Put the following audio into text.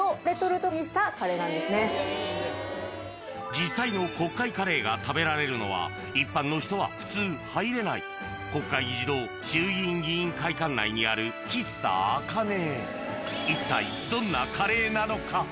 実際の国会カレーが食べられるのは一般の人は普通入れない国会議事堂衆議院議員会館内にある喫茶あかね